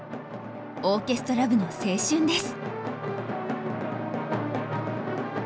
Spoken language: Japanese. オーケストラ部の青春です。